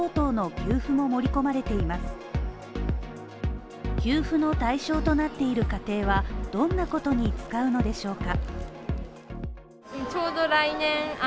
給付の対象となっている家庭はどんなことに使うのでしょうか？